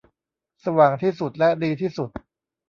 สว่างที่สุดและดีที่สุด